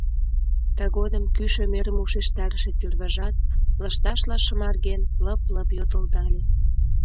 Тыгодым кӱшӧ мӧрым ушештарыше тӱрвыжат, лышташла шымарген, лып-лып йодылдале.